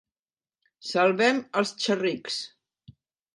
Salvem els xerrics